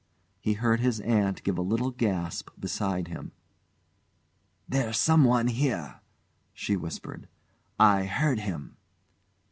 He heard his aunt give a little gasp beside him. "There's someone here," she whispered; "I heard him."